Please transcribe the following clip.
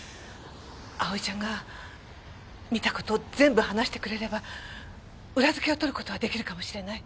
葵ちゃんが見た事を全部話してくれれば裏付けを取る事はできるかもしれない。